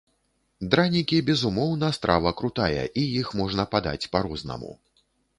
Дранікі, безумоўна, страва крутая, і іх можна падаць па-рознаму.